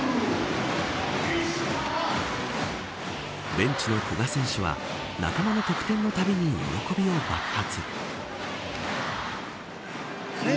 ベンチの古賀選手は仲間の得点のたびに喜びを爆発。